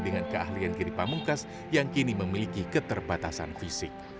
dengan keahlian giri pamungkas yang kini memiliki keterbatasan fisik